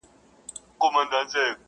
یار لیدل آب حیات دي چاته کله ور رسیږي!.